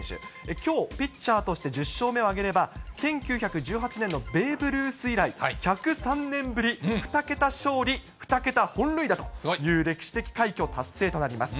きょうピッチャーとして１０勝目を挙げれば、１９１８年のベーブ・ルース以来、１０３年ぶり、２桁勝利２桁本塁打という歴史的快挙達成となります。